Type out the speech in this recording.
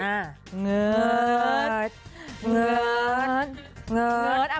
เงิดเงิดเงิดเงิด